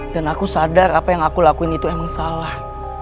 aku sadar apa yang aku lakuin itu emang salah